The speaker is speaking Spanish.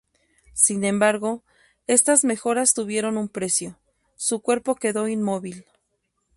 Sin embargo, estas mejoras tuvieron un precio: su cuerpo quedó inmóvil.